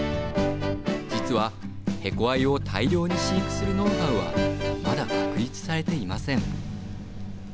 実は、ヘコアユを大量に飼育するノウハウはまだ、確立されていません。